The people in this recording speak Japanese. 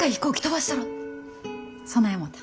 そない思た。